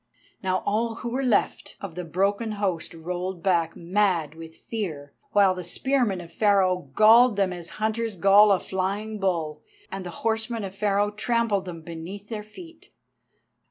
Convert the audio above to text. Now all who were left of the broken host rolled back, mad with fear, while the spearmen of Pharaoh galled them as hunters gall a flying bull, and the horsemen of Pharaoh trampled them beneath their feet.